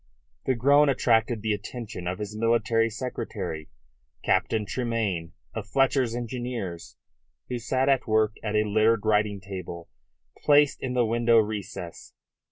The groan attracted the attention of his military secretary, Captain Tremayne, of Fletcher's Engineers, who sat at work at a littered writing table placed in the window recess.